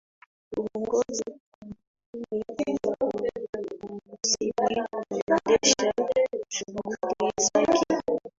uongozi kampuni hairuhusiwi kuendesha shughuli zake